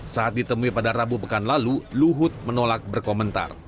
saat ditemui pada rabu pekan lalu luhut menolak berkomentar